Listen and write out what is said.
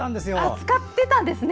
使ってたんですね。